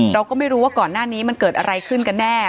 เราก็ไม่รู้ว่าก่อนหน้านี้มันเกิดอะไรขึ้นกันแน่